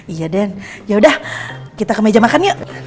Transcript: iya dan yaudah kita ke meja makan yuk